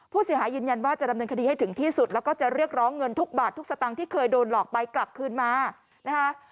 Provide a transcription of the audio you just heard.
ผู้เสียหายยืนยันว่าจะดำเนินคดีให้ถึงที่สุดแล้วก็จะเรียกร้องเงินทุกบาททุกสตางค์ที่เคยโดนหลอกไปกลับคืนมานะคะ